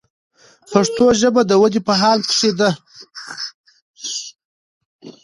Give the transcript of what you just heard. پښتو ژبه د ودې په حال کښې ده.